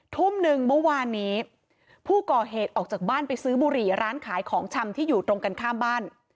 ทุ่มหนึ่งเมื่อวานนี้ผู้ก่อเหตุออกจากบ้านไปซื้อบุหรี่ร้านขายของชำที่อยู่ตรงกันข้ามบ้าน